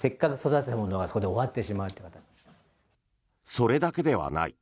それだけではない。